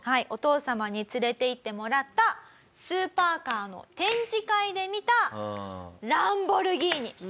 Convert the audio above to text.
お父様に連れて行ってもらったスーパーカーの展示会で見たランボルギーニ。